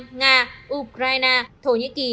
mỹ anh nga ukraine thổ nhĩ kỳ